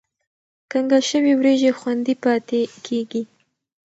کنګل شوې وریجې خوندي پاتې کېږي.